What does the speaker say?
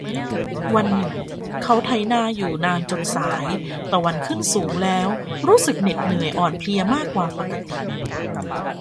วันหนึ่งเขาไถนาอยู่นานจนสาย ตะวันขึ้นสูงแล้วรู้สึกเหน็ดเหนื่อยอ่อนเพลียมากกว่าปกติ